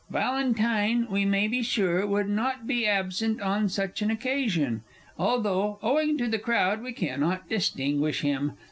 Valentine, we may be very sure, would not be absent on such an occasion, although, owing to the crowd, we cannot distinguish him.